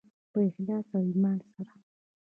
په اخلاص او ایمان سره.